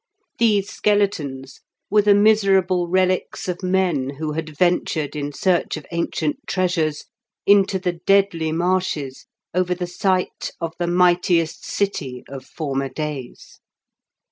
These skeletons were the miserable relics of men who had ventured, in search of ancient treasures, into the deadly marshes over the site of the mightiest city of former days.